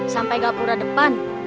sampai gapura depan